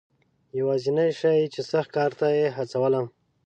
یوازنی شی چې سخت کار ته یې هڅولم.